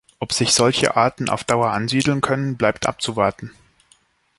Ob sich solche Arten auf Dauer ansiedeln können, bleibt abzuwarten.